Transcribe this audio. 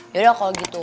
yaudah kalau gitu